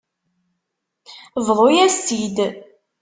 Bḍut-as-tt-id.